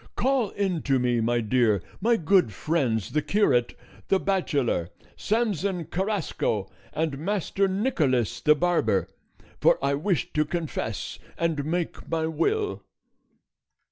Call in to me, my dear, my good friends the curate, the bachelor Samson Carrasco, and Master Nicholas the barber, for I wish to confess and make my will."